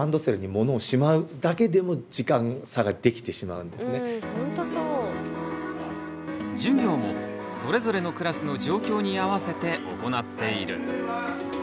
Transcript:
なんと６０年以上前から授業もそれぞれのクラスの状況に合わせて行っている。